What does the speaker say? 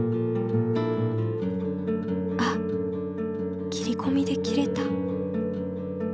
あっ切り込みで切れた。